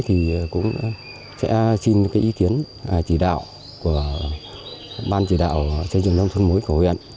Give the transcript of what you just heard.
thì cũng sẽ xin ý kiến chỉ đạo của ban chỉ đạo xây dựng nông thuần mới của huyện